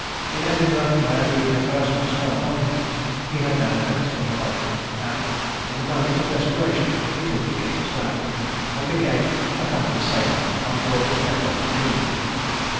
In Edinburgh, where these embarrassments fell upon him, he had no friends to apply to, and, in a moment of desperation, he took the king's bounty, and became a common sailor on board a tender at Leith.